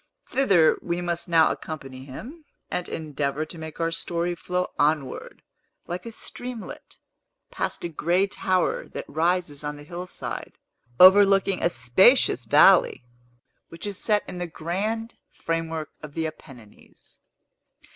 Thither we must now accompany him, and endeavor to make our story flow onward, like a streamlet, past a gray tower that rises on the hillside, overlooking a spacious valley, which is set in the grand framework of the Apennines.